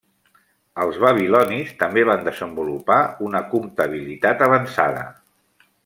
Els babilonis també van desenvolupar una comptabilitat avançada.